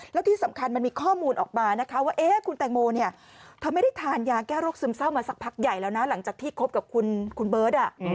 แล้วที่สำคัญมันมีข้อมูลออกมานะคะว่าคุณแตงโมเนี่ยเธอไม่ได้ทานยาแก้โรคซึมเศร้ามาสักพักใหญ่แล้วนะหลังจากที่คบกับคุณเบิร์ต